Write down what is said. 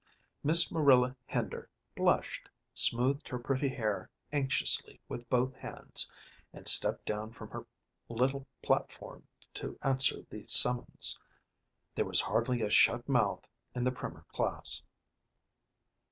Miss Marilla Hender blushed, smoothed her pretty hair anxiously with both hands, and stepped down from her little platform to answer the summons. There was hardly a shut mouth in the primer class.